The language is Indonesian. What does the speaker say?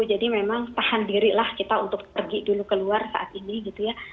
jadi memang tahan dirilah kita untuk pergi dulu keluar saat ini gitu ya